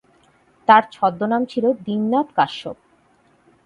তার ছদ্মনাম ছিল দীননাথ কাশ্যপ।